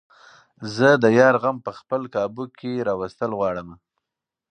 زۀ د يار غم په خپل قابو کښې راوستل غواړمه